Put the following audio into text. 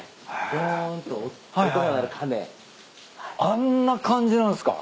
あんな感じなんすか？